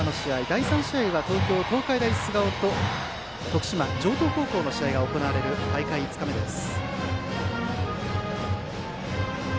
第３試合は東京・東海大菅生と徳島・城東高校の試合が行われる大会５日目です。